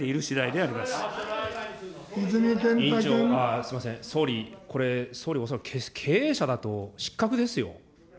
すみません、総理、総理、これ恐らく経営者だと失格ですよ。